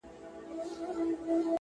د ژوند رنګونه له لیدلوري بدلېږي!